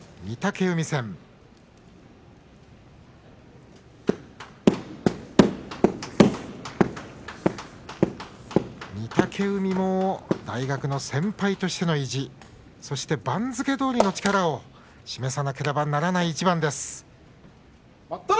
御嶽海も大学の先輩としての意地そして番付どおりの力を示さなければならない一番です。